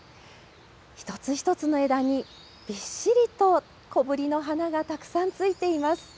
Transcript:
一つ一つの枝にびっしりと小ぶりの花がたくさんついています。